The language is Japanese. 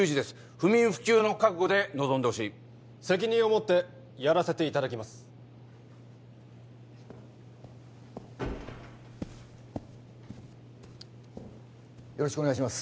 不眠不休の覚悟で臨んでほしい責任を持ってやらせていただきますよろしくお願いします